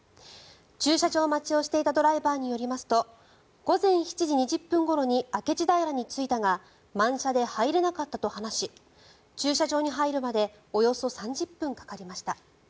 駐車場待ちをしていたドライバーによりますと午前７時２０分ごろに明智平に着いたが満車で入れなかったと話し駐車場に入るまでおよそ３０分かかりました。